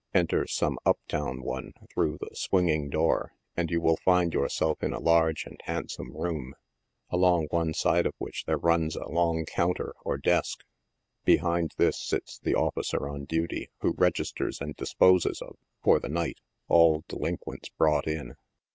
Enter some up town one through the swinging door, and you will find yourself in a large and handsome room, along one side of which there runs a long counter or desk ; behind this sits theofficer on duty, who registers and disposes of, for the night, all delinquents brought in.